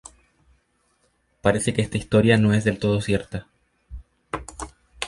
Parece que esta historia no es del todo cierta.